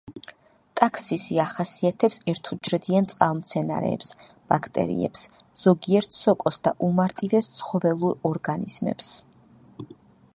ტაქსისი ახასიათებს ერთუჯრედიან წყალმცენარეებს, ბაქტერიებს, ზოგიერთ სოკოს და უმარტივეს ცხოველურ ორგანიზმებს.